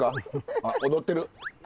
あ踊ってる。